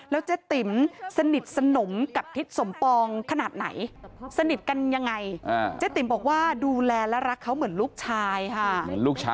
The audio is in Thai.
แล้วเจ๊ติมสนิทสนมกับฮิตสมปองขนาดไหน